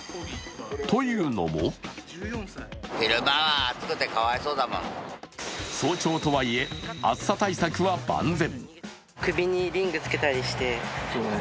というのも早朝とはいえ、暑さ対策は万全。